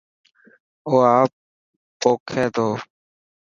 او آپ پوکي ٿو.